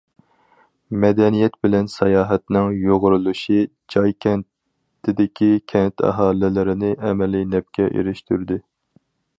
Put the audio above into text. مەدەنىيەت بىلەن ساياھەتنىڭ يۇغۇرۇلۇشى جاي كەنتىدىكى كەنت ئاھالىلىرىنى ئەمەلىي نەپكە ئېرىشتۈردى.